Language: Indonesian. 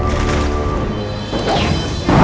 aku akan menangkanmu